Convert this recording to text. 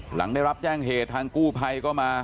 หลังได้รับแจ้งเหตุทางกู้ภัยก็มา